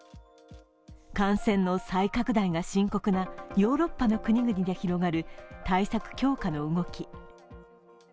感染の再拡大が深刻なヨーロッパの国々で広がる対策強化の動き。